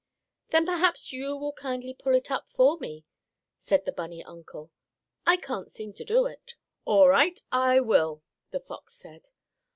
"Then perhaps you will kindly pull it up for me," said the bunny uncle. "I can't seem to do it." "All right, I will," the fox said.